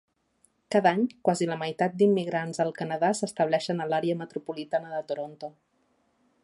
Cada any, quasi la meitat d'immigrants al Canadà s'estableixen a l'àrea metropolitana de Toronto.